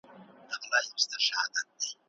هوښیاران د خلګو له نادانۍ کار اخلي.